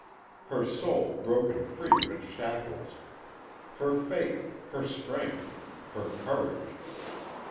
Her soul broken free of its shackles! Her faith, her strength, her courage!